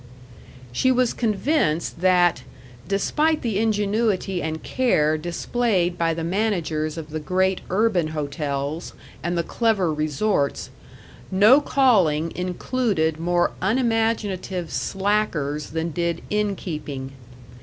She was convinced that, despite the ingenuity and care displayed by the managers of the great urban hotels and the clever resorts, no calling included more unimaginative slackers than did innkeeping.